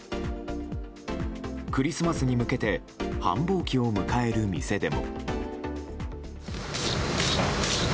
クリスマスに向けて繁忙期を迎える店でも。